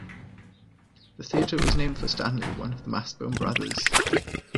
The theatre was named for Stanley, one of the Mastbaum brothers.